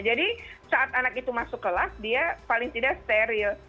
jadi saat anak itu masuk kelas dia paling tidak steril